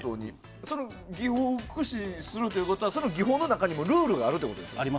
その技法を駆使するということはその技法の中にもルールがあるということですか？